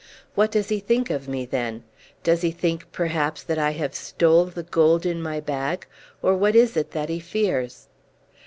What does he think of me then? Does he think perhaps that I have stole the gold in my bag, or what is it that he fears?"